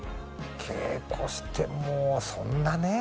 稽古してもそんなねえ